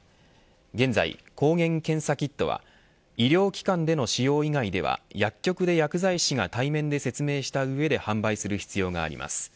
現在、抗原検査キットは医療機関での使用以外では薬局で薬剤師が対面で説明した上で販売する必要があります。